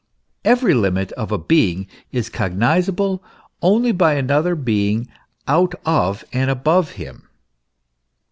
Every limit of a being is cognisable only by another being out of and above him.